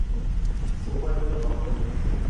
Tesswayeḍ iḍerfan-is.